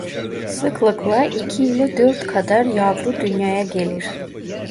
Sıklıkla iki ile dört kadar yavru dünyaya gelir.